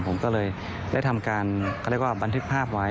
ผมก็เลยได้ทำการเขาเรียกว่าบันทึกภาพไว้